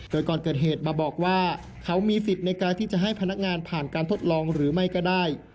โดยก่อนเกิดเหตุมาบอกว่าเขามีสิทธิ์ในการที่จะให้พนักงานผ่านการทดลองหรือไม่ก็ได้